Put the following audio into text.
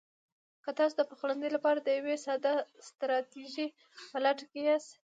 که تاسو د پخلنځي لپاره د یوې ساده ستراتیژۍ په لټه کې یاست: